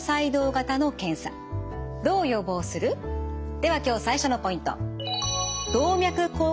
では今日最初のポイント。